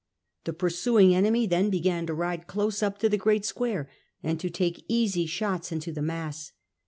The pursuing enemy then began to ride close up to the great square, and to take easy shots into the mass.